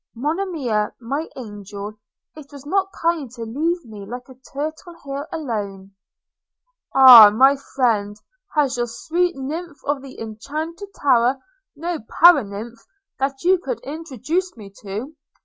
– 'Monimia – my angel! – It was not kind To leave me like a turtle here alone!' 'Hah, my friend! has your sweet nymph of the enchanted tower no para nymph that you could introduce me to?